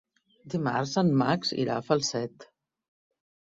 Dimarts en Max irà a Falset.